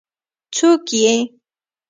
څوک يې؟